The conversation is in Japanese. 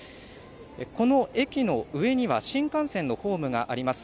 この駅の上には新幹線のホームがあります。